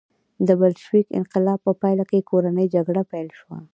د بلشویک انقلاب په پایله کې کورنۍ جګړه پیل شوه.